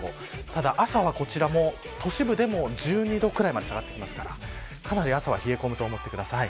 ただ、朝は都市部でも１２度ぐらいまで下がってきますのでかなり朝は冷え込むと思ってください。